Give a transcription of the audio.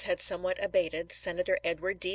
had somewhat abated, Senator Edward D.